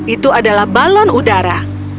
itu adalah balon udara